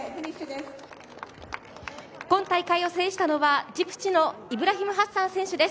今大会を制したのはジブチのイブラヒム・ハッサン選手です。